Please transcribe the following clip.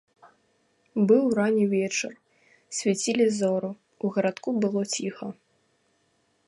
Быў ранні вечар, свяцілі зоры, у гарадку было ціха.